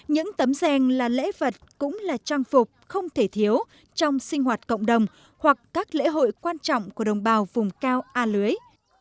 những tấm gian là lễ vật cũng là trang phục không thể thiếu trong sinh hoạt cộng đồng hoặc các lễ hội quan trọng của đồng bào vùng cao a lưới